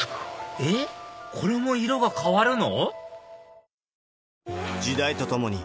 えっこれも色が変わるの？